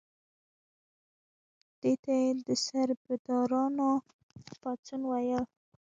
دې ته یې د سربدارانو پاڅون ویل.